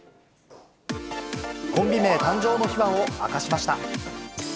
コンビ名誕生の秘話を明かしました。